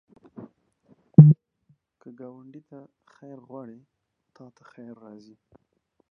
که ګاونډي ته خیر غواړې، تا ته خیر راځي